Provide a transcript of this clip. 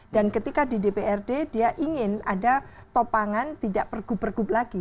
dan ketika di dprd dia ingin ada topangan tidak pergub pergub lagi